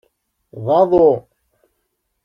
D aḍu.